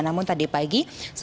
namun tadi pagi